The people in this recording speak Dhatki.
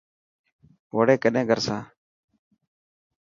وڙي ڪڏهن ڪر سان.